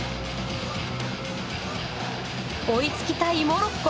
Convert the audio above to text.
追いつきたいモロッコ。